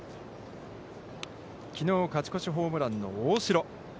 きのう勝ち越しホームランの大城。